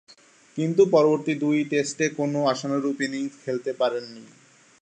কিন্তু, পরবর্তী দুই টেস্টে কোন আশানুরূপ ইনিংস খেলতে পারেননি।